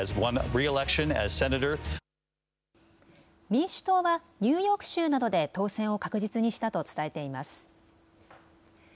民主党はニューヨーク州などで当選を確実にしたと伝えています。